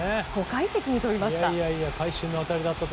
５階席まで飛びました。